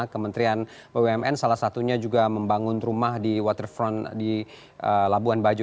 kementerian bumn salah satunya juga membangun rumah di waterfront di labuan bajo